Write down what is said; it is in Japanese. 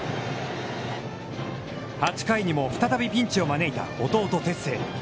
８回にも再びピンチを招いた弟・哲星。